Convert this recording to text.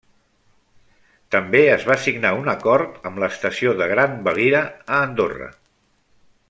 També es va signar un acord amb l'estació de Grandvalira, a Andorra.